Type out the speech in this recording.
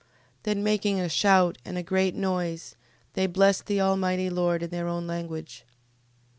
15:29. Then making a shout, and a great noise, they blessed the Almighty Lord in their own language.